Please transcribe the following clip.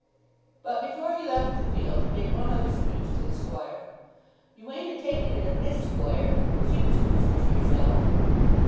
But before he left the field he made one other speech to the squire. "You ain't a'taken it amiss, squoire, 'cause he was coosin to yourself?"